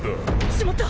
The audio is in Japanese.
しまった！